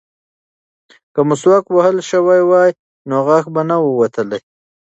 که مسواک وهل شوی وای نو غاښ به نه ووتلی.